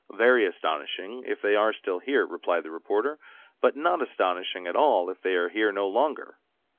"Very astonishing if they are still here," replied the reporter, "but not astonishing at all if they are here no longer!"